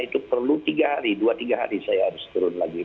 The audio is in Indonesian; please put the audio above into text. itu perlu tiga hari dua tiga hari saya harus turun lagi